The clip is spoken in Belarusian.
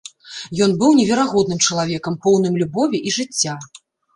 Ён быў неверагодным чалавекам, поўным любові і жыцця.